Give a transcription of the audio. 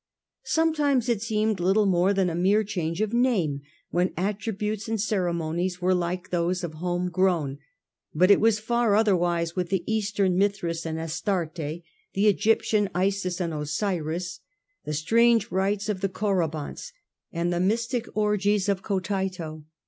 Sometimes it seemed little more than a mere change of name, when attributes and cere monies were like those of home growth ; but it was far otherwise with the Eastern Mithras and Astarte, the Egyptian Isis and Osiris, the strange rites of the Cory bants, and the mystic orgies of Cotytto.